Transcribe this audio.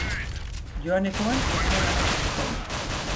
Joanekoan hutsean amaitu zuten.